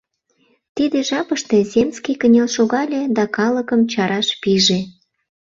Тиде жапыште земский кынел шогале да калыкым чараш пиже.